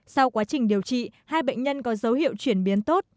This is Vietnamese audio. sau quá trình điều trị hai bệnh nhân có dấu hiệu chuyển biến tốt